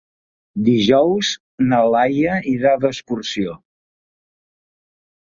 Dijous na Laia irà d'excursió.